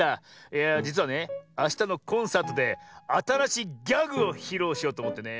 いやあじつはねあしたのコンサートであたらしいギャグをひろうしようとおもってね。